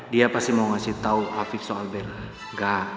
dia pasti mau kasih tau afif soal bella